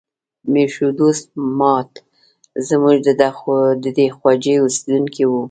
میر شو دوست ماد زموږ د ده خواجې اوسیدونکی و.